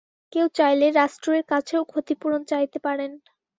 কেউ চাইলে রাষ্ট্রের কাছেও ক্ষতিপূরণ চাইতে পারেন।